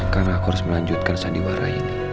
karena aku harus melanjutkan sandiwara ini